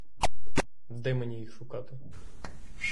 Де мені їх шукати?